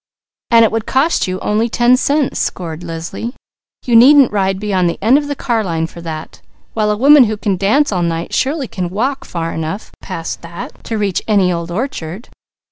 "And it would cost you only ten cents," scored Leslie. "You needn't ride beyond the end of the car line for that, while a woman who can dance all night surely could walk far enough, to reach any old orchard.